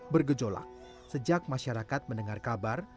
bergejolak sejak masyarakat mendengar kabar